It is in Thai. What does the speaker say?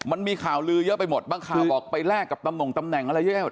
มันมีข่าวลือเยอะไปหมดบางข่าวบอกไปแลกกับตำหน่งตำแหน่งอะไรเยอะแยะ